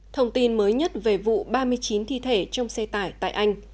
thông tin mới nhất về vụ ba mươi chín thi thể trong xe tải tại anh